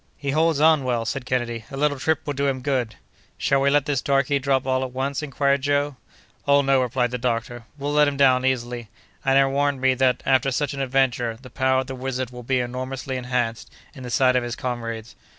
"He holds on well," said Kennedy; "a little trip will do him good." "Shall we let this darky drop all at once?" inquired Joe. "Oh no," replied the doctor, "we'll let him down easily; and I warrant me that, after such an adventure, the power of the wizard will be enormously enhanced in the sight of his comrades."